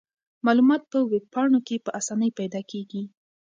معلومات په ویب پاڼو کې په اسانۍ پیدا کیږي.